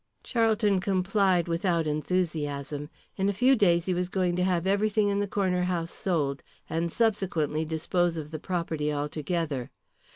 Charlton complied without enthusiasm. In a few days he was going to have everything in the Corner House sold, and subsequently dispose of the property altogether.